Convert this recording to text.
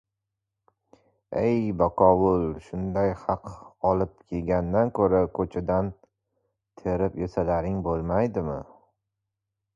— Ay bakovul, shunday haq olib yegandan ko‘ra, ko‘chadan... terib yesalaring bo‘lmaydimi?